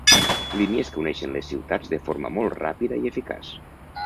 Línies que uneixen les ciutats de forma molt ràpida i eficaç.